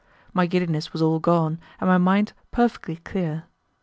My giddiness was all gone, and my mind perfectly clear.